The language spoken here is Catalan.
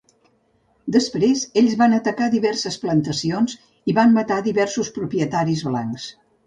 Després ells van atacar diverses plantacions i van matar diversos propietaris blancs.